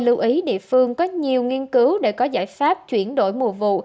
lưu ý địa phương có nhiều nghiên cứu để có giải pháp chuyển đổi mùa vụ